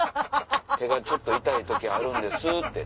「手がちょっと痛い時あるんです」って。